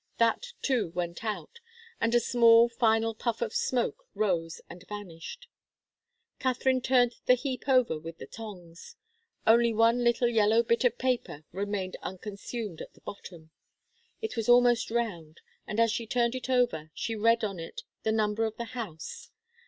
That, too, went out, and a small, final puff of smoke rose and vanished. Katharine turned the heap over with the tongs. Only one little yellow bit of paper remained unconsumed at the bottom. It was almost round, and as she turned it over, she read on it the number of the house.